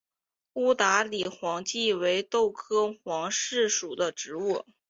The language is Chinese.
达乌里黄耆为豆科黄芪属的植物。